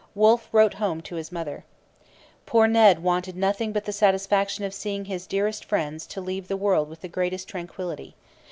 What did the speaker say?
Wolfe wrote home to his mother: Poor Ned wanted nothing but the satisfaction of seeing his dearest friends to leave the world with the greatest tranquillity.